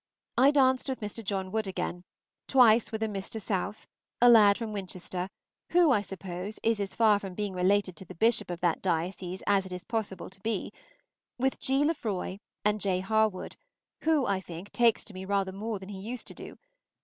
I danced with Mr. John Wood again, twice with a Mr. South, a lad from Winchester, who, I suppose, is as far from being related to the bishop of that diocese as it is possible to be, with G. Lefroy, and J. Harwood, who, I think, takes to me rather more than he used to do.